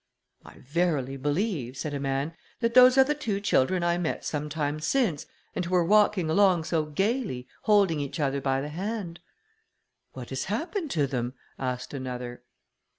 "I verily believe," said a man, "that those are the two children I met some time since, and who were walking along so gaily, holding each other by the hand." "What has happened to them?" asked another.